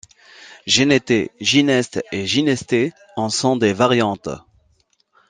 Genetet, Gineste et Ginestet en sont des variantes.